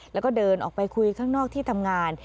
แล้วก็เดินออกไปคุยข้างนอกที่ทำงาน